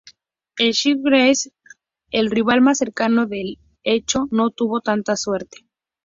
El "Shields Gazette", el rival más cercano del "Echo", no tuvo tanta suerte.